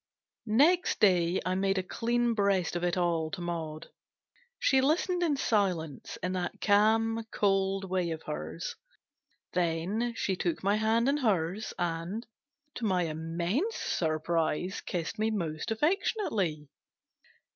NEXT day I made a clean breast of it all to Maud. She listened in silence, in that calm, cold way of hers ; then she took my hand in hers, and, to my immense surprise, kissed me most affectionately.